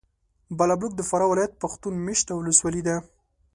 بالابلوک د فراه ولایت پښتون مېشته ولسوالي ده.